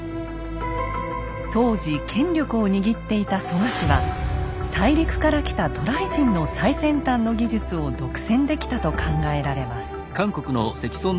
当時権力を握っていた蘇我氏は大陸から来た渡来人の最先端の技術を独占できたと考えられます。